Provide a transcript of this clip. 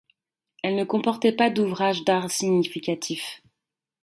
Elle ne comportait pas d'ouvrages d'art significatifs.